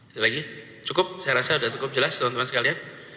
sekali lagi cukup saya rasa sudah cukup jelas teman teman sekalian